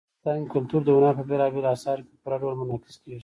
افغانستان کې کلتور د هنر په بېلابېلو اثارو کې په پوره ډول منعکس کېږي.